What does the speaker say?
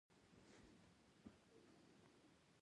افغانستان کې د کوچیانو د پرمختګ هڅې روانې دي.